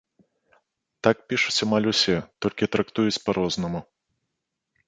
Так пішуць амаль усе, толькі трактуюць па-рознаму.